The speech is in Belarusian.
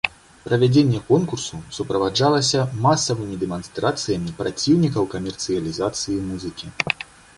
Правядзенне конкурсу суправаджалася масавымі дэманстрацыямі праціўнікаў камерцыялізацыі музыкі.